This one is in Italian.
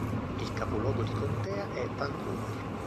Il capoluogo di contea è Vancouver.